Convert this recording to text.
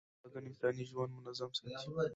د دغو دواړو توازن انساني ژوند منظم ساتي.